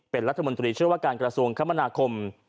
เป็นรัฐมนตรีเชื่อว่าการกระทรวงคมนาคม